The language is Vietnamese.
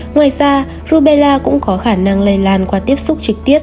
ngoài ra rubella cũng có khả năng lây lan qua tiếp xúc trực tiếp